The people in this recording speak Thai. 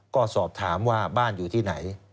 ก็สอบถามว่าบ้านอยู่ที่ไหน